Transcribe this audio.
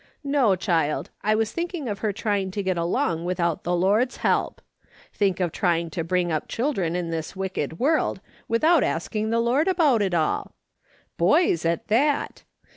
No, child, I was thinking of her trying to get along without the Lord's help. Think of trying to bring up children in this wicked world without asking the Lord about it all ! Boys at that